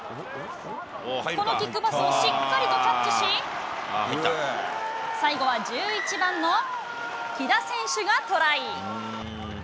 このキックパスをしっかりとキャッチし、最後は１１番の木田選手がトライ。